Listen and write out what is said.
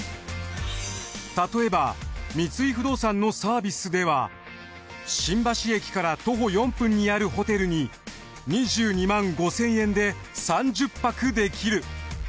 例えば三井不動産のサービスでは新橋駅から徒歩４分にあるホテルに２２５，０００円で３０泊できる。